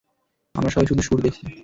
আমরা সবাই শুধু শুঁড় দেখেছি।